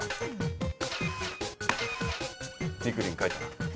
みくりん書いたな。